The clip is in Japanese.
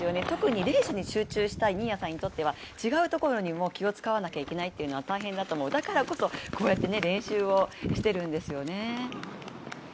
特にレースに集中したい新谷さんにとっては違うところにも気を使わなきゃいけないというのは大変だと思う、だからこそこうやって練習をしてるんですよね。